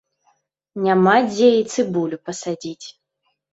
Няма дзе і цыбулю пасадзіць.